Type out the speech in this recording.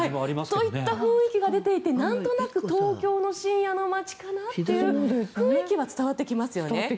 といった雰囲気が出ていてなんとなく東京の渋谷の雰囲気というのは伝わってきますよね。